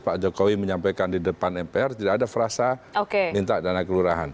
pak jokowi menyampaikan di depan mpr tidak ada frasa minta dana kelurahan